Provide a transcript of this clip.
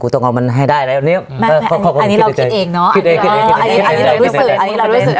กูต้องเอามันให้ได้แล้วอันนี้อันนี้เรารู้สึกออกมาได้